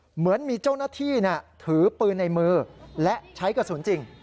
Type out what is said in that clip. เหมือนมีเจ้าหน้าที่ถือปืนในมือและใช้กระสุนจริง